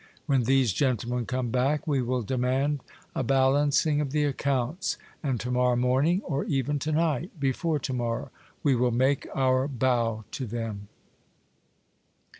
When these gentlemen come back, we will demand a balancing of the accounts, and to morrow morning, or even to night before to morrow, we will make our bow to them.